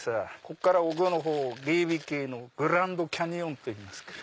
ここから奥のほう猊鼻渓のグランドキャニオンと言いますから。